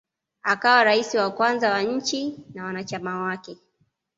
Akawa rais wa kwanza wa nchi na wanachama wake